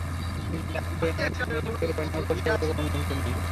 তিনি দাবি করেন, আইনশৃঙ্খলা রক্ষাকারী বাহিনীর ওপর সরকারের কোনো নিয়ন্ত্রণ নেই।